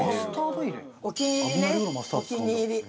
お気に入りねお気に入り。